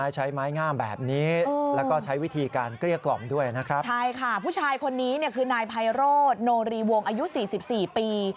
ใช่ค่ะผู้ชายคนนี้คือนายไพโรดโนรีวงอายุ๔๔ปี